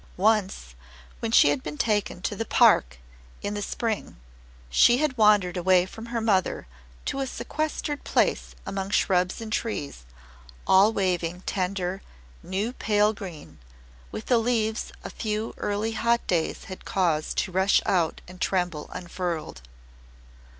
Once, when she had been taken to the Park in the Spring, she had wandered away from her mother to a sequestered place among shrubs and trees, all waving tender, new pale green, with the leaves a few early hot days had caused to rush out and tremble unfurled.